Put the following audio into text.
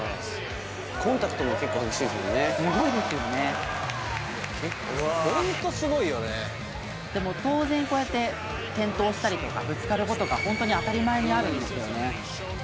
コンタクトも結構激しいですもんねすごいですよねホントすごいよねでも当然こうやって転倒したりとかぶつかることがホントに当たり前にあるんですよね